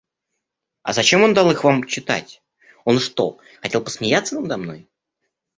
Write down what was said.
А зачем он дал их Вам читать, он что, хотел посмеяться надо мной?